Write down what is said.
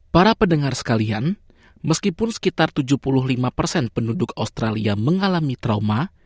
para pendengar sekalian meskipun sekitar tujuh puluh lima penduduk australia mengalami trauma